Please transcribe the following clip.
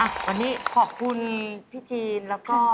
วันนี้ขอบคุณพี่จีนแล้วก็